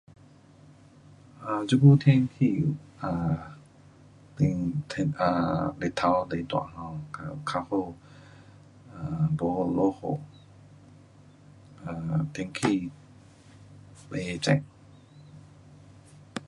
um 这久天气 um 天 um 日头最大，较好，没落雨，um 天气不热。